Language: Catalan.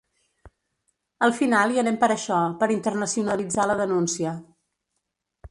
Al final hi anem per això, per internacionalitzar la denúncia.